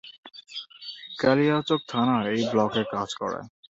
কালিয়াচক থানার এই ব্লকে কাজ করে।